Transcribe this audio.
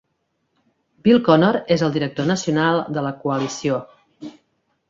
Bill Connor és el director nacional de la coalició.